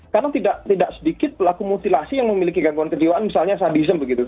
karena tidak sedikit pelaku mutilasi yang memiliki gangguan kejiwaan misalnya sadism